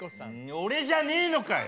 俺じゃねえのかよ。